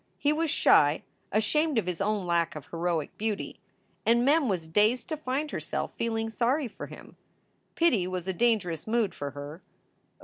He was shy, ashamed of his own lack of heroic beauty; and Mem was dazed to find herself feeling sorry for him. Pity was a dangerous mood for her.